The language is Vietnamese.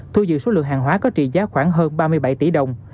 thu giữ số lượng hàng hóa có trị giá khoảng hơn ba mươi bảy tỷ đồng